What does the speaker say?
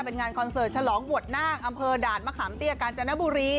เป็นงานคอนเสิร์ตฉลองบวชนาคอำเภอด่านมะขามเตี้ยกาญจนบุรี